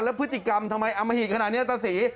แล้วพฤติกรรมทำไมอมหิตขนาดนี้ตาศรี